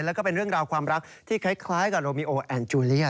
แล้วก็เป็นเรื่องราวความรักที่คล้ายกับโรมิโอแอนจูเลีย